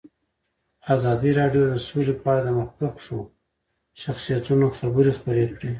ازادي راډیو د سوله په اړه د مخکښو شخصیتونو خبرې خپرې کړي.